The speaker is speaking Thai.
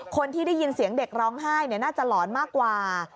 คนที่ได้ยินเสียงเด็กร้องไห้น่าจะหลอนมากกว่า